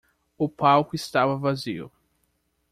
O palco estava vazio.